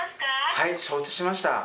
はい承知しました。